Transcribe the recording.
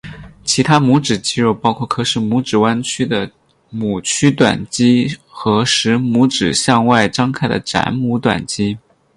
其他拇指肌肉包括可使拇指弯曲的屈拇短肌和使拇指向外张开的展拇短肌。